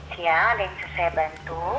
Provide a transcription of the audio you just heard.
siang ada yang saya bantu